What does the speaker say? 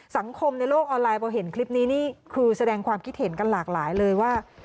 สังคมในโลกออนไลน์พอเห็นคลิปนี้นี่คือแสดงความคิดเห็นกันหลากหลายเลยว่า